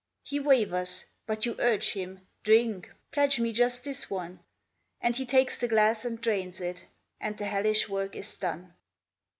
He wavers, but you urge him Drink, pledge me just this one! And he takes the glass and drains it, And the hellish work is done.